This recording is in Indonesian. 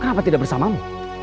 kenapa tidak bersamamu